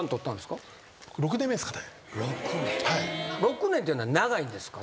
６年っていうのは長いんですか？